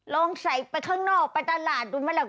ลองใส่ไปข้างนอกไปตลาดดูไหมล่ะ